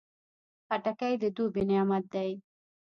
خټکی د دوبی نعمت دی.